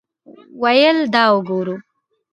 ویل دا وګوره.